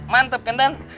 mantep kan bang